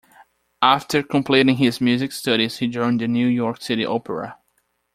After completing his music studies, he joined the New York City Opera.